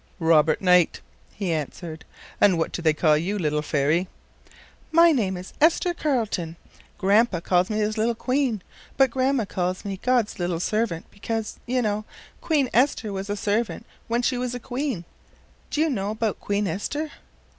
"Robert Knight," he answered. "And what do they call you, little fairy?" "My name is Esther Carleton. Grandpa calls me his little Queen, but Grandma calls me God's little servant, because, you know, Queen Esther was a servant when she was a queen. Do you know 'bout Queen Esther?"